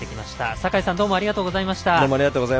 坂井さんどうもありがとうございました。